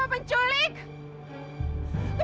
dasar penculik gila